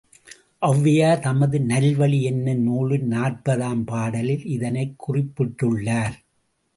ஒளவையார் தமது நல்வழி என்னும் நூலின் நாற்பதாம் பாடலில் இதனைக் குறிப்பிட்டுள்ளார்.